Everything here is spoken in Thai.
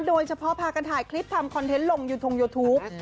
โดยเฉพาะพากันถ่ายคลิปทำคอนเทนต์ลงยูทงยูทูป